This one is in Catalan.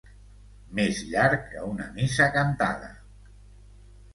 Més llarg que una missa cantada.